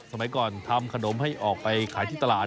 พี่วิวสมัยก่อนจะทำขนมให้ออกไปขายในตลาด